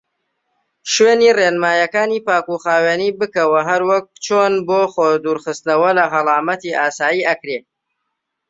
شوێنی ڕێنمایەکانی پاکوخاوینی بکەوە هەروەک چۆن بۆ خۆ دورخستنەوە لە هەڵامەتی ئاسای ئەکرێ.